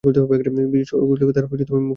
বিস্ময় ও কৌতুকে তাহার মুখচোখ উজ্জ্বল দেখায়!